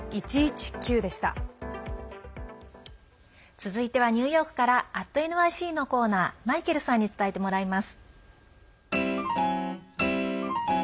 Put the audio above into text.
続いてはニューヨークから「＠ｎｙｃ」のコーナーマイケルさんに伝えてもらいます。